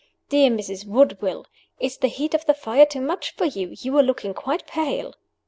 Dear Mrs. Woodville! is the heat of the fire too much for you? You are looking quite pale."